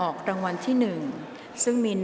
ออกรางวัลเลขหน้า๓ตัวครั้งที่๒